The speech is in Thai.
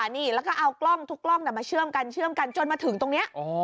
นี่แล้วก็เอากล้องทุกกล้องมาเชื่อมกันเชื่อมกันจนมาถึงตรงนี้